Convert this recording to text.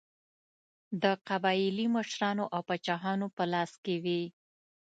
د قبایلي مشرانو او پاچاهانو په لاس کې وې.